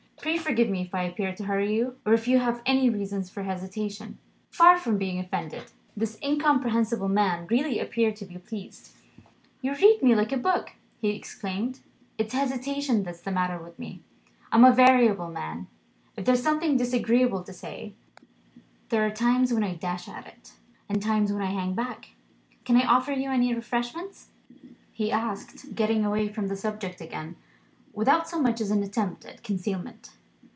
Pray forgive me if I appear to hurry you or if you have any reasons for hesitation." Far from being offended, this incomprehensible man really appeared to be pleased. "You read me like a book!" he exclaimed. "It's hesitation that's the matter with me. I'm a variable man. If there's something disagreeable to say, there are times when I dash at it, and times when I hang back. Can I offer you any refreshment?" he asked, getting away from the subject again, without so much as an attempt at concealment.